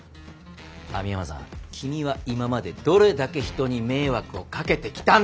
網浜さん君は今までどれだけ人に迷惑をかけてきたんだ？